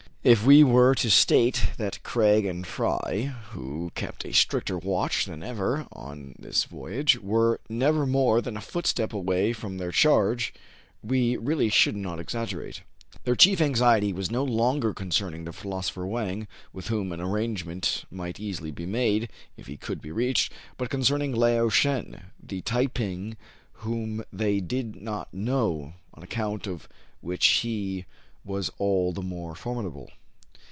If we were to state that Craig and Fry, who kept a stricter watch than ever on this voyage, were never more than a footstep away from their charge, we really should not exaggerate. Their chief anxiety was no longer concerning the philosopher Wang, with whom an arrangement might easily be made if he could be reached, but concerning Lao Shen, the Tai ping whom they did not know, on account of which he was all the more formidable.